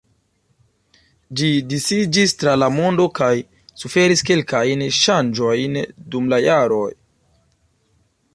Ĝi disiĝis tra la mondo kaj suferis kelkajn ŝanĝojn dum la jaroj.